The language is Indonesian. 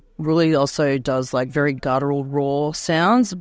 berbunyi yang sangat berbunyi yang sangat berbunyi